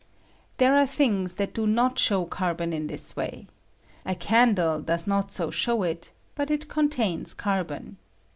There are things that do not show carbon in this way. A candle does not so show it, but it contains carbon.